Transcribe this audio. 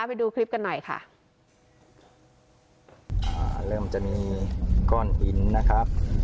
ไปดูคลิปกันหน่อยค่ะอ่าเริ่มจะมีก้อนหินนะครับ